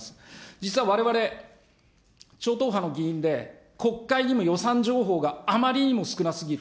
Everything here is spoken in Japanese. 実はわれわれ、超党派の議員で、国会にも予算情報があまりにも少なすぎる。